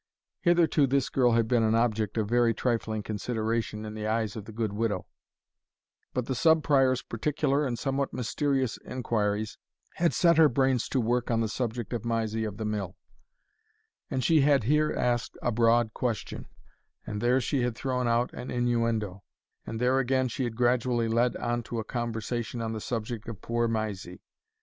Hitherto this girl had been an object of very trifling consideration in the eyes of the good widow; but the Sub Prior's particular and somewhat mysterious inquiries had set her brains to work on the subject of Mysie of the Mill; and she had here asked a broad question, and there she had thrown out an innuendo, and there again she had gradually led on to a conversation on the subject of poor Mysie.